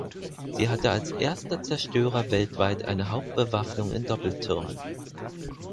Sie hatte als erster Zerstörer weltweit eine Hauptbewaffnung in Doppeltürmen.